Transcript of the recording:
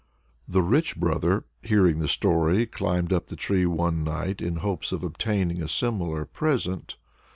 The rich brother, hearing the story, climbed up the tree one night in hopes of obtaining a similar present.